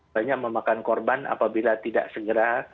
banyak memakan korban apabila tidak segera